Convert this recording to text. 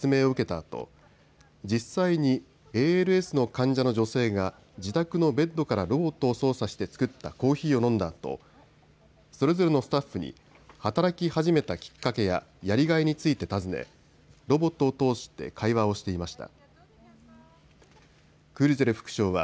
あと実際にＡＬＳの患者の女性が、自宅のベッドからロボットを操作して作ったコーヒーを飲んだあとそれぞれのスタッフに働き始めたきっかけややりがいについて尋ねロボットを通して会話をしていました。